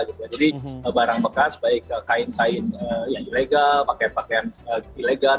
jadi barang bekas baik kain kain yang ilegal pakaian pakaian ilegal